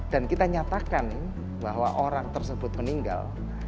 dan kita nyatakan bahwa orang tersebut meninggal